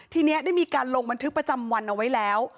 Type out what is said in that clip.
ทีนี้ได้มีการลงบันทึกประจำวันเอาไว้แล้ว